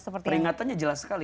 peringatannya jelas sekali